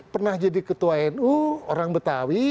pernah jadi ketua nu orang betawi